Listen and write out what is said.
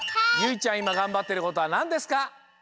いまがんばってることはなんですか？